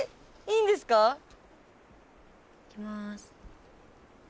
いきます。